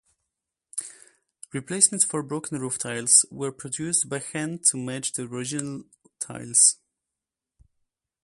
Replacements for broken roof tiles were produced by hand to match the original tiles.